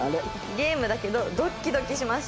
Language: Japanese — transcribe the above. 「ゲームだけどドッキドキしました」